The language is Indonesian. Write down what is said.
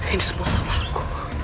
ini semua salahku